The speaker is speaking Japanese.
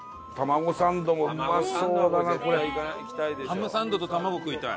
ハムサンドとたまご食いたい。